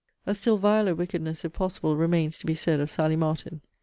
A still viler wickedness, if possible, remains to be said of Sally Martin.